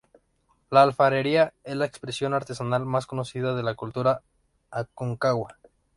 La alfarería es la expresión artesanal más conocida de la cultura Aconcagua.